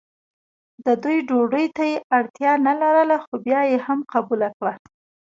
د دوی ډوډۍ ته یې اړتیا نه لرله خو بیا یې هم قبوله کړه.